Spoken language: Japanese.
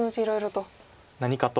何かと。